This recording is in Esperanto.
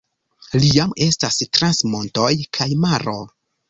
Li jam estas trans montoj kaj maro.